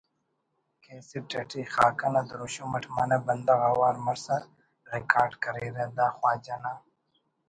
کیسٹ اٹی خاکہ نا دروشم اٹ منہ بندغ اوار مرسا ریکارڈ کریرہ دا خواجہ نا